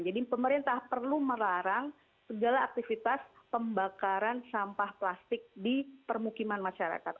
jadi pemerintah perlu melarang segala aktivitas pembakaran sampah plastik di permukiman masyarakat